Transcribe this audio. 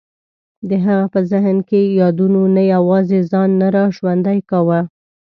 د هغه په ذهن کې یادونو نه یوازې ځان نه را ژوندی کاوه.